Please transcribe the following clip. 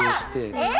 えっ？